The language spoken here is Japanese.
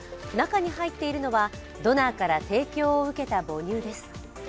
中に入っているのはドナーから提供を受けた母乳です。